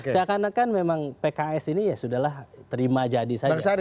seakan akan memang pks ini ya sudah lah terima jadi saja